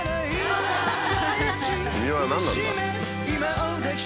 君は何なんだ？